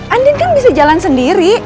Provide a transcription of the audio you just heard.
andy bisa jalan sendiri